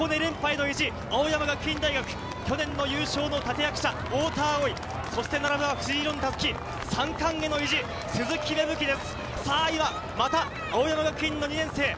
箱根連覇への意地、青山学院大学、去年の優勝の立て役者・太田蒼生、そして神奈川、藤色の襷、三冠への意地、鈴木芽吹です。